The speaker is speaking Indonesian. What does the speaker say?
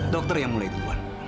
dokter yang mulai duluan